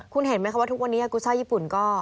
คุณเห็นไหมคะว่าทุกวันนี้ยากูซ่าญี่ปุ่นก็